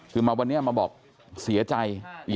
คือมาวันนี้มาบอกเสียใจ